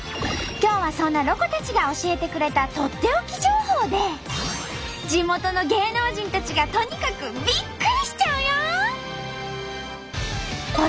今日はそんなロコたちが教えてくれたとっておき情報で地元の芸能人たちがとにかくビックリしちゃうよ！